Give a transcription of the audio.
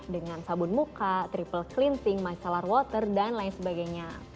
dengan sabun muka triple cleansing myseller water dan lain sebagainya